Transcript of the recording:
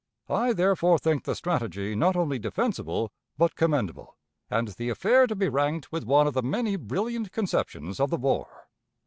I therefore think the strategy not only defensible but commendable, and the affair to be ranked with one of the many brilliant conceptions of the war.